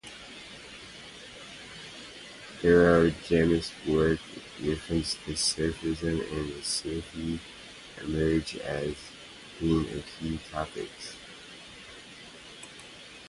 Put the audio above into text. Throughout Jami's work references to Sufism and the Sufi emerge as being key topics.